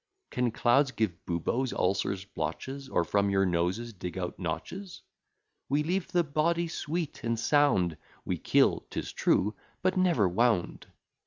Can clouds give buboes, ulcers, blotches, Or from your noses dig out notches? We leave the body sweet and sound; We kill, 'tis true, but never wound.